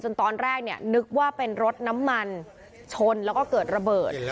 ตอนแรกเนี่ยนึกว่าเป็นรถน้ำมันชนแล้วก็เกิดระเบิด